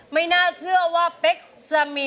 ร้องได้ร้องได้